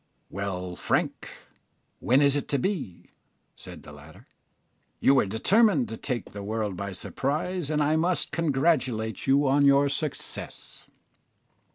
"Well, Frank, when is it to be?" said the latter. "You were determined to take the world by surprise, and I must congratulate you on your success."